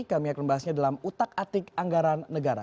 kami akan membahasnya dalam utak atik anggaran negara